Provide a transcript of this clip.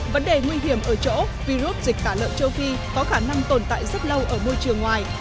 vấn đề nguy hiểm ở chỗ virus dịch tả lợn châu phi có khả năng tồn tại rất lâu ở môi trường ngoài